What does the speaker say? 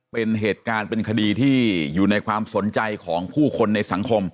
เป็นเหตุการณ์เป็นคดีที่อยู่ในความสนใจของผู้คนในสังคม